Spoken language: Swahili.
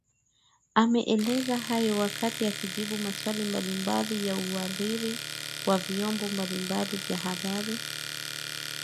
Ameeleza hayo wakati akijibu maswali mbalimbali ya wahariri wa vyombo mbalimbali vya habari